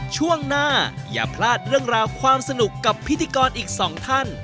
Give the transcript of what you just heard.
ช่วงหน้าอย่าพลาดเรื่องราวความสนุกกับพิธีกรอีกสองท่าน